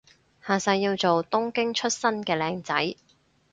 下世要做東京出身嘅靚仔